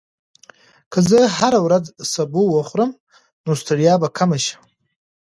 که زه هره ورځ سبو وخورم، نو ستړیا به کمه شي.